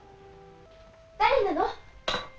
誰なの？